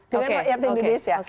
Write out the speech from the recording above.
dengan rakyat indonesia